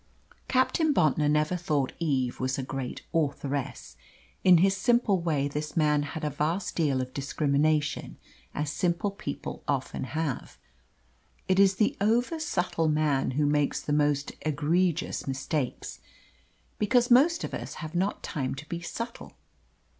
Captain Bontnor never thought Eve was a great authoress. In his simple way this man had a vast deal of discrimination, as simple people often have. It is the oversubtle man who makes the most egregious mistakes, because most of us have not time to be subtle.